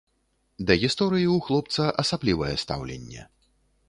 Да гісторыі ў хлопца асаблівае стаўленне.